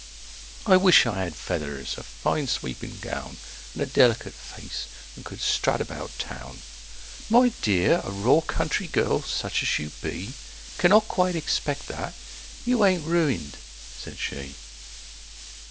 "I wish I had feathers, a fine sweeping gown, And a delicate face, and could strut about Town!" "My dear a raw country girl, such as you be, Cannot quite expect that. You ain't ruined," said she.